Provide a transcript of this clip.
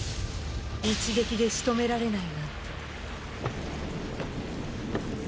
一撃で仕留められないなんて。